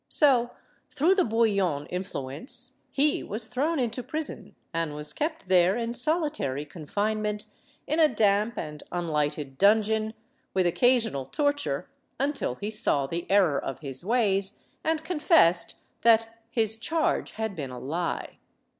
So, through the Bouillon influence, he was ADRIENNE LECOUVREUR 131 thrown into prison and was kept there in solitary con finement, in a damp and unlighted dungeon, with occasional torture, until he saw the error of his ways, and confessed that his charge had been a lie.